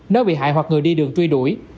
nếu bị hại hoặc người đi đường truy đuổi